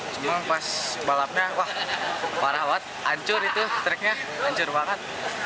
cuma pas balapnya wah parah banget ancur itu treknya ancur banget